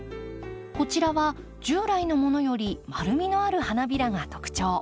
こちらは従来のものより丸みのある花びらが特徴。